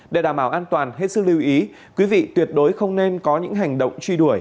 để đảm bảo an toàn hết sức lưu ý quý vị tuyệt đối không nên có những hành động truy đuổi